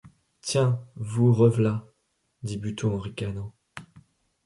Tiens! vous rev’là ! dit Buteau en ricanant.